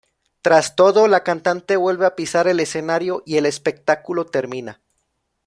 Tras todo, la cantante vuelve a pisar el escenario y el espectáculo termina.